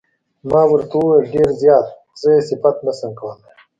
ما ورته وویل: ډېر زیات، زه یې صفت نه شم کولای.